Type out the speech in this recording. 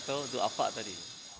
untuk apa tadi